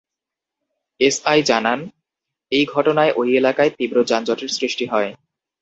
SI জানান, এই ঘটনায় ওই এলাকায় তীব্র যানজটের সৃষ্টি হয়।